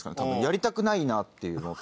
やりたくないなっていうのは。